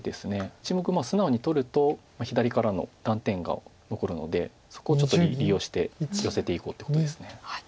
１目素直に取ると左からの断点が残るのでそこをちょっと利用してヨセていこうってことです。